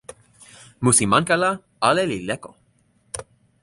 musi Manka la ale li leko.